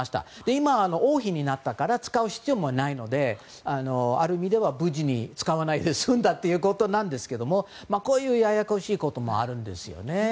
今、王妃になったから使う必要もないのである意味では無事に使わないで済んだということですけどこういう、ややこしいこともあるんですよね。